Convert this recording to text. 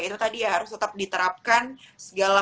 ini harus tetap diterapkan segala